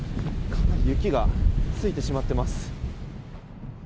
雪がついてしまっています。